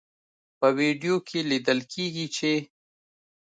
په ویډیو کې لیدل کیږي چې